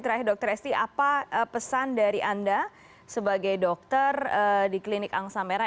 terakhir dokter esti apa pesan dari anda sebagai dokter di klinik angsamera